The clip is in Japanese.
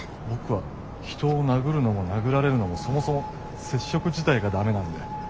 僕は人を殴るのも殴られるのもそもそも接触自体が駄目なんで。